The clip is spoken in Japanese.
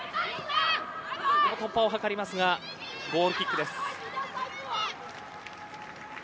ここも突破を図りますがゴールキックです。